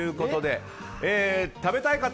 食べたい方！